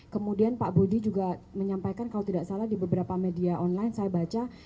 kemudian pak budi juga menyampaikan kalau tidak salah di beberapa media online saya baca